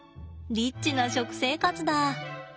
リッチな食生活だ。